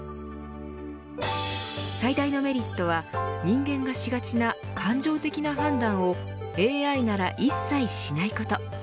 最大のメリットは人間がしがちな感情的な判断をＡＩなら一切しないこと。